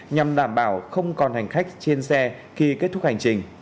nhằm đảm bảo không còn hành khách trên xe khi kết thúc hành trình